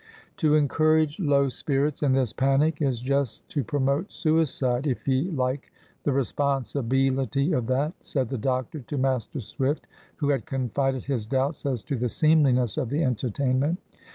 "To encourage low spirits in this panic is just to promote suicide, if ye like the responsibeelity of that," said the doctor to Master Swift, who had confided his doubts as to the seemliness of the entertainment.